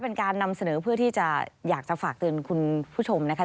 เป็นการนำเสนอเพื่อที่จะอยากจะฝากเตือนคุณผู้ชมนะคะ